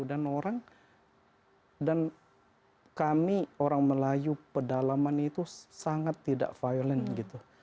dan orang orang dan kami orang melayu pedalaman itu sangat tidak violent gitu